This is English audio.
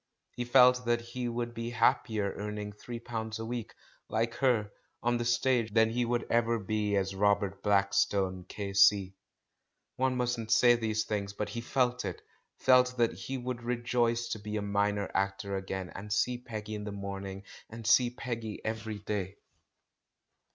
He felt that he would be happier earn ing three pounds a week, like her, on the stage than he would ever be as Robert Blackstone, K.C. One mustn't say these things, but he felt it — felt that he would rejoice to be a minor actor again, and see 'Peggy in the morning, and see Peggy every day.